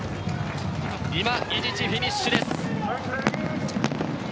今、伊地知フィニッシュです。